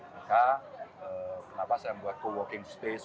maka kenapa saya membuat co working space